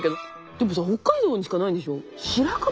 でもさ北海道にしかないんでしょ？